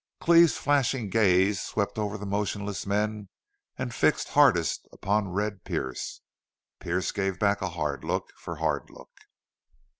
Cleve's flashing gaze swept over the motionless men and fixed hardest upon Red Pearce. Pearce gave back hard look for hard look.